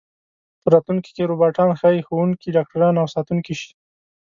په راتلونکي کې روباټان ښايي ښوونکي، ډاکټران او ساتونکي شي.